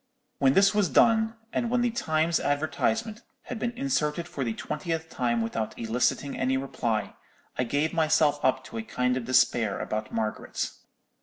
"When this was done, and when the Times advertisement had been inserted for the twentieth time without eliciting any reply, I gave myself up to a kind of despair about Margaret.